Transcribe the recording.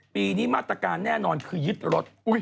ปีนี้มาตรการแน่นอนคือยึดรถ